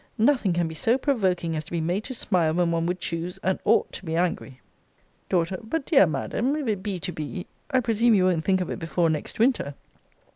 Nothing can be so provoking as to be made to smile when one would choose, and ought, to be angry. D. But, dear Madam, if it be to be, I presume you won't think of it before next winter.